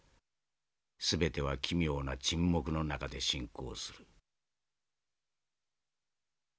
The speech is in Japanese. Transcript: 全ては奇妙な沈黙の中で進行する」。